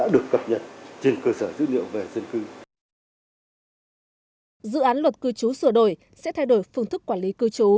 dự án luật cư trú sửa đổi sẽ thay đổi phương thức quản lý cư trú